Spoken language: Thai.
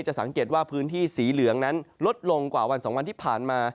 สังเกตว่าพื้นที่สีเหลืองนั้นลดลงกว่าวัน๒วันที่ผ่านมา